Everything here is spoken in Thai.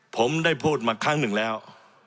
ผมได้พูดมาครั้งหนึ่งแล้ว